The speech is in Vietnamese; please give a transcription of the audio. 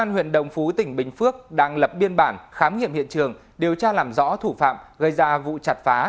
thủ tỉnh bình phước đang lập biên bản khám nghiệm hiện trường điều tra làm rõ thủ phạm gây ra vụ chặt phá